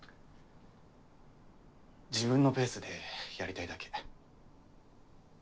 自分のペースでやりたいだけ。